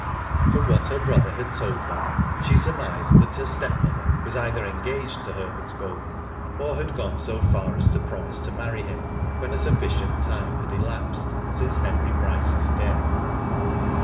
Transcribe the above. From what her brother had told her she sur mised that her stepmother was either engaged to Herbert Golding, or had gone so far as to promise to marry him when a sufficient time had elapsed since Henry Bryce's death.